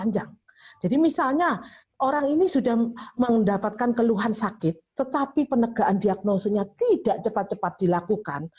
jadi misalnya orang ini sudah mendapatkan keluhan sakit tetapi penegakan diagnosenya tidak cepat cepat dilakukan